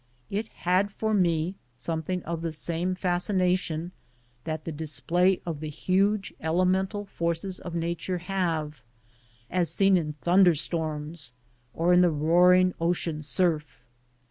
It had for me something of the same fascination that the display of the huge elemental forces of nature have, as seen in thunder storms, or in a roaring ocean surf.